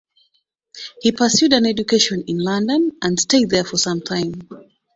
He pursued an education in London and stayed there for some time.